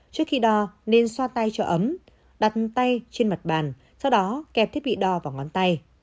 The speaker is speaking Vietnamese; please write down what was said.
trước khi đo nên xoa tay cho ấm đặt tay trên mặt bàn sau đó kẹp thiết bị đo vào ngón tay